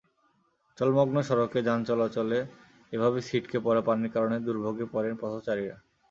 জলমগ্ন সড়কে যান চলাচলে এভাবে ছিটকে পড়া পানির কারণে দুর্ভোগে পড়েন পথচারীরা।